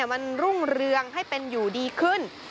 มันรุ่งเรืองให้เป็นอยู่ดีขึ้น